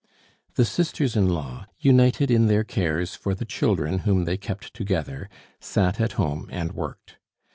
The sisters in law, united in their cares for the children whom they kept together, sat at home and worked.